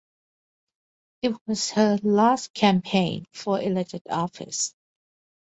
It was her last campaign for elected office.